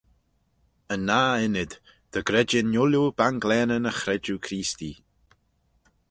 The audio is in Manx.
Yn nah ynnyd, dy greidin ooilley banglaneyn y chredjue Creestee.